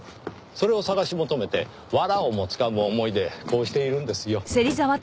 それを探し求めてわらをもつかむ思いでこうしているんですよ。